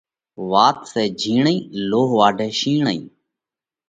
واتون سئہ جھِيڻي، لو واڍئہ شيڻي!